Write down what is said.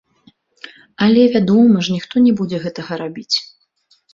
Але, вядома ж, ніхто не будзе гэтага рабіць.